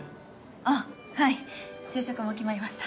あっはい就職も決まりました。